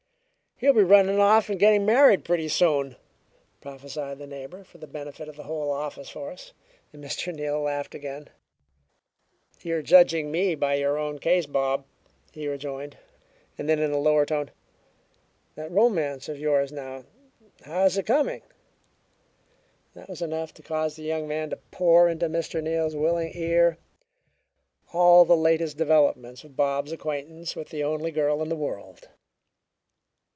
"He'll be running off and getting married pretty soon," prophesied the neighbor, for the benefit of the whole office force. Mr. Neal laughed again. "You're judging me by your own case, Bob," he rejoined. Then in a lower tone, "That romance of yours now how is it coming?" That was enough to cause the young man to pour into Mr. Neal's willing ear all the latest developments of Bob's acquaintance with the only girl in the world.